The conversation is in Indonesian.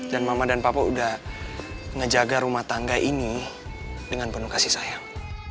dan mama dan papa udah ngejaga rumah tangga ini dengan penuh kasih sayang